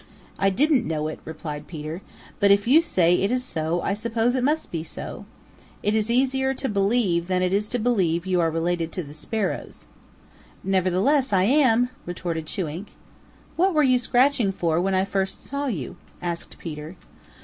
"I didn't know it," replied Peter, "but if you say it is so I suppose it must be so. It is easier to believe than it is to believe that you are related to the Sparrows." "Nevertheless I am," retorted Chewink. "What were you scratching for when I first saw you?" asked Peter.